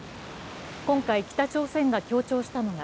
今回、北朝鮮が強調したのが